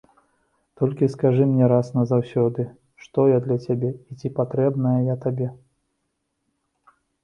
Толькі скажы мне раз назаўсёды, што я для цябе і ці патрэбна я табе.